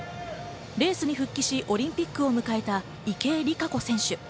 レースに復帰し、オリンピックを迎えた池江璃花子選手。